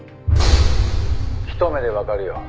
「ひと目でわかるよ。